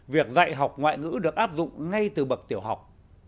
việc dạy học ngoại ngữ được áp dụng ngay từ bậc tiểu học